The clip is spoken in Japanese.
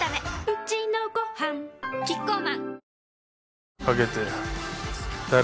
うちのごはんキッコーマン